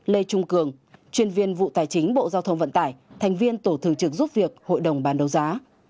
bốn lê trung cường chuyên viên vụ tài chính bộ giao thông vận tải thành viên tổ thường trưởng giúp việc hội đồng ban đấu giá